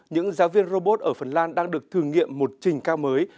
những giáo viên robot ở phần lan đang được thử nghiệm một trình cao mới